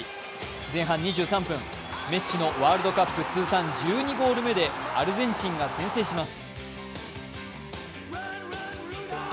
前半２３分、メッシのワールドカップ通算１２ゴール目でアルゼンチンが先制します。